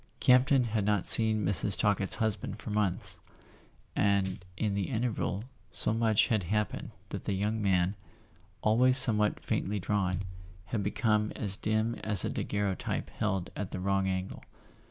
Campton had not seen Mrs. Talkett's husband for months, and in the interval so much had happened that the young man, always somewhat faintly drawn, had become as dim as a daguerreotype held at the wrong angle.